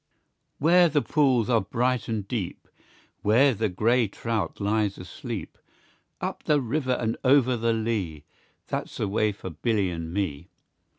Where the pools are bright and deep, Where the gray trout lies asleep, Up the river and o'er the lea, That's the way for Billy and me.